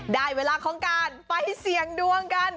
ได้เวลาของการไปเสี่ยงดวงกัน